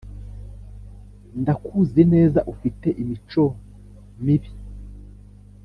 ndakuzi neza ufite imico mibi